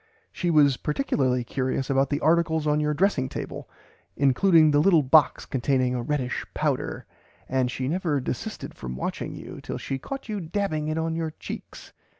She was particularly curious about the articles on your dressing table, including the little box containing a reddish powder, and she never desisted from watching you till she caught you dabbing it on your cheeks.